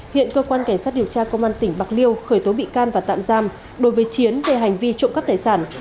hiện cơ quan cảnh sát điều tra công an tỉnh bạc liêu khởi tố bị can và tạm giam đối với chiến về hành vi trộm cắp tài sản